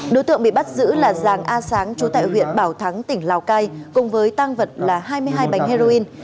đối tượng bị bắt giữ là giàng a sáng chú tại huyện bảo thắng tỉnh lào cai cùng với tang vật là hai mươi hai bánh heroin